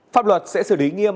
pháp luật sẽ xử lý nghiêm